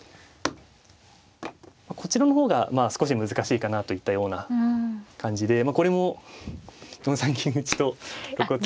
こちらの方がまあ少し難しいかなといったような感じでこれも４三銀打と露骨に。